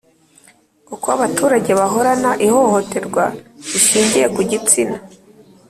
Uko abaturage babona ihohoterwa rishingiye ku gitsina